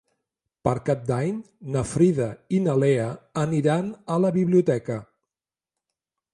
Per Cap d'Any na Frida i na Lea aniran a la biblioteca.